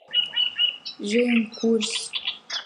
J’ai une course.